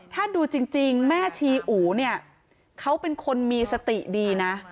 ถ้าดูจริงแม่ชีอู๋เนี่ยเขาเป็นคนมีสติดีนะ